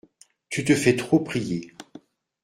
Tu te fais trop prier.